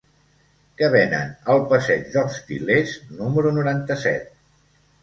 Què venen al passeig dels Til·lers número noranta-set?